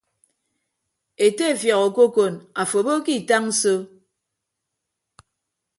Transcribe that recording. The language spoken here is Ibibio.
Ete efiọk okokon afo abo ke itañ so.